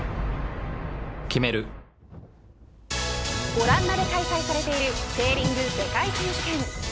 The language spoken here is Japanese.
オランダで開催されているセーリング世界選手権。